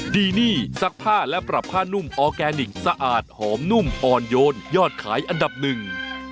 ดีนี่ซักผ้าและปรับผ้านุ่มออร์แกนิคสะอาดหอมนุ่มอ่อนโยนยอดขายอันดับหนึ่ง